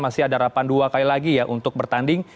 masih ada harapan dua kali lagi ya untuk bertanding